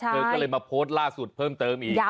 เธอก็เลยมาโพสต์ล่าสุดเพิ่มเติมอีก